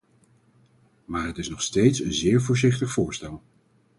Maar het is nog steeds een zeer voorzichtig voorstel.